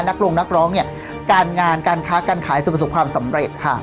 นักลงนักร้องเนี่ยการงานการค้าการขายจะประสบความสำเร็จค่ะ